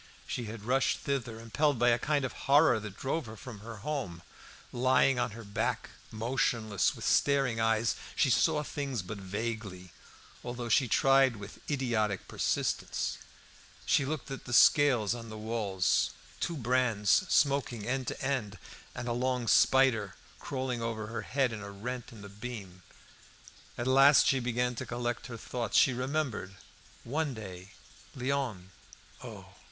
She had rushed thither; impelled by a kind of horror that drove her from her home. Lying on her back, motionless, and with staring eyes, she saw things but vaguely, although she tried to with idiotic persistence. She looked at the scales on the walls, two brands smoking end to end, and a long spider crawling over her head in a rent in the beam. At last she began to collect her thoughts. She remembered one day Léon Oh!